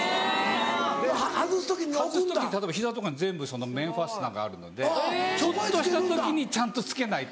で外す時に例えば膝とかに全部面ファスナーがあるのでちょっとした時にちゃんとつけないと。